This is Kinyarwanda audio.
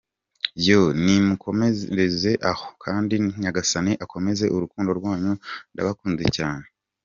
yoooo nimukomereze aho kandi nyagasani akomeze urukundo rwanyu ndabakunze cyane.